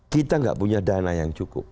kita nggak punya dana yang cukup